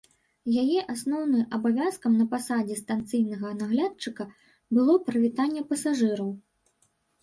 Яе асноўны абавязкам на пасадзе станцыйнага наглядчыка было прывітанне пасажыраў.